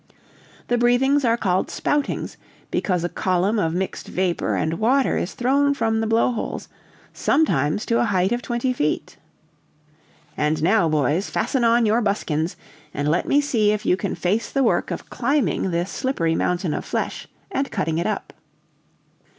"The breathings are called 'spoutings,' because a column of mixed vapor and water is thrown from the blow holes, sometimes to a height of twenty feet. "And now, boys, fasten on your buskins, and let me see if you can face the work of climbing this slippery mountain of flesh, and cutting it up."